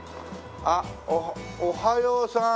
あっおはようさん。